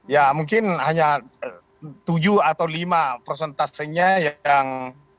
ya mungkin hanya tujuh atau lima prosentasenya yang